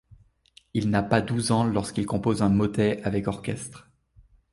Il n'a pas douze ans lorsqu'il compose un motet avec orchestre.